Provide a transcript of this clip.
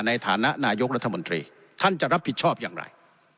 ในฐานะนายกรัฐมนตรีท่านจะรับผิดชอบอย่างไร